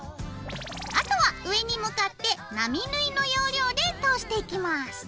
あとは上に向かって並縫いの要領で通していきます。